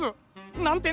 なんてね！